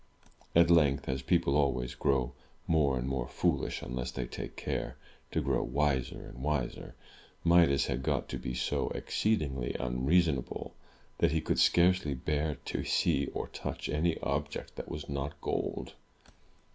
At length (as people always grow more and more foolish, unless they take care to grow wiser and wiser), Midas had got to be so exceedingly unreasonable that he could scarcely bear to see or touch any object that was not gold.